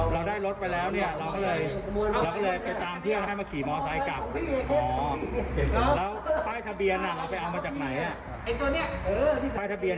เราไปเอามาจากรถข้างหน้านี่